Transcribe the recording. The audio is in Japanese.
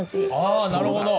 ああなるほど！